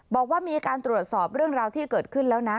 บอกว่ามีการตรวจสอบเรื่องราวที่เกิดขึ้นแล้วนะ